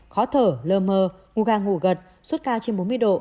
khó thở lơ mơ ngu ga ngủ gật suốt cao trên bốn mươi độ